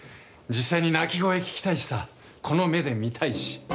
実際に鳴き声聞きたいしさこの目で見たいし。